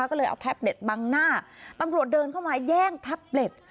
ก็เลยเอาแท็บเล็ตบังหน้าตำรวจเดินเข้ามาแย่งแท็บเล็ต